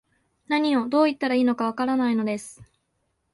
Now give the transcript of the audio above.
何を、どう言ったらいいのか、わからないのです